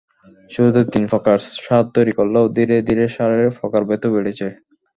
শুরুতে তিন প্রকার সার তৈরি করলেও ধীরে ধীরে সারের প্রকারভেদও বেড়েছে।